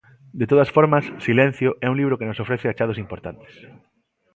De todas formas, Silencio é un libro que nos ofrece achados importantes.